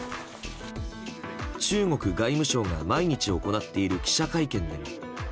中国外務省が毎日行っている記者会見でも。